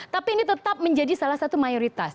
tapi ini tetap menjadi salah satu mayoritas